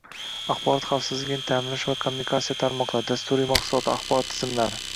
axborot xavfsizligini ta'minlash va kommunikatsiya tarmoqlari, dasturiy mahsulotlar, axborot tizimlari